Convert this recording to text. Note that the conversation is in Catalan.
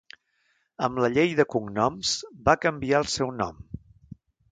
Amb la llei de cognoms, va canviar el seu nom.